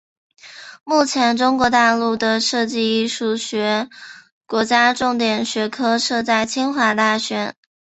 目前中国大陆的设计艺术学国家重点学科设在清华大学。